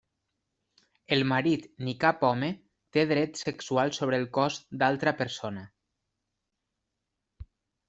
El marit ni cap home té dret sexual sobre el cos d'altra persona.